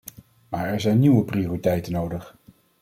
Maar er zijn nieuwe prioriteiten nodig.